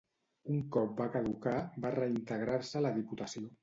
Un cop va caducar, va reintegrar-se a la Diputació.